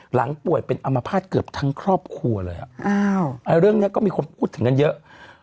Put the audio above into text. หลังป่วยเป็นอมภาษณ์เกือบทั้งครอบครัวเลยเรื่องนี้ก็มีคนพูดถึงกันเยอะ